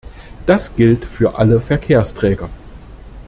Das gilt für alle Verkehrsträger.